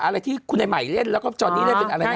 อะไรที่คุณไอ้ใหม่เล่นแล้วก็ตอนนี้ได้เป็นอะไรนะ